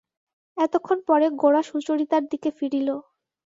এতক্ষণ পরে গোরা সুচরিতার দিকে ফিরিল।